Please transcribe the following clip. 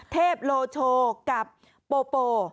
เทพโลโชกับโปโป